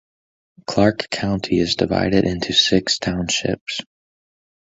Clark County is divided into six townships.